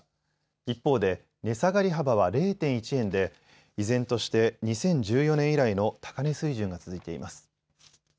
一方で値下がり幅は０．１円で依然として２０１４年以来の高値水準が続いています。